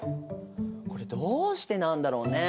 これどうしてなんだろうね？